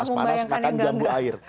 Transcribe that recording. uh enak banget ya panas panas makan jambu air